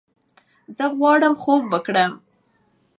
زۀ غواړم خوب وکړم!